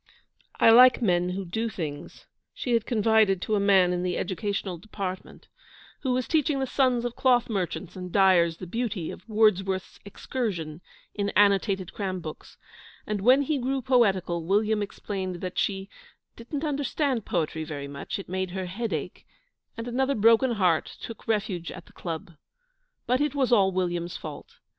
'I like men who do things,' she had confided to a man in the Educational Department, who was teaching the sons of cloth merchants and dyers the beauty of Wordsworth's 'Excursion' in annotated cram books; and when he grew poetical, William explained that she 'didn't understand poetry very much; it made her head ache,' and another broken heart took refuge at the Club. But it was all William's fault.